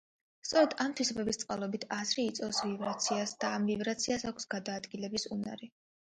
სწორედ ამ თვისებების წყალობით აზრი იწვევს ვიბრაციას და ამ ვიბრაციას აქვს გადაადგილების უნარი.